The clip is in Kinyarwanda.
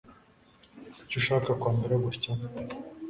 Kuki ushaka kwambara gutya?